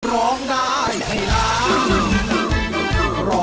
ร้องได้ไข่ล้าง